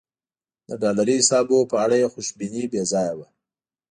د ډالري حسابونو په اړه یې خوشبیني بې ځایه وه.